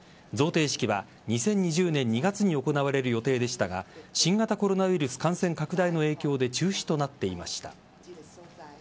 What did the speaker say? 贈呈式は２０２０年２月に行われる予定でしたが新型コロナウイルス感染拡大の影響で中止となっていました。